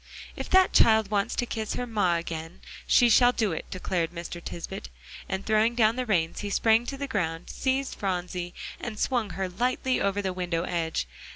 "If that child wants to kiss her ma agen, she shall do it," declared Mr. Tisbett; and throwing down the reins, he sprang to the ground, seized Phronsie, and swung her lightly over the window edge.